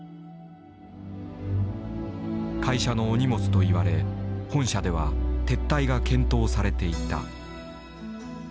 会社のお荷物と言われ本社では撤退が検討されていた。